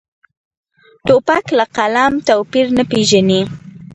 توپک له قلم توپیر نه پېژني.